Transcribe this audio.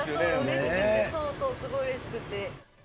そうそう、すごいうれしくて。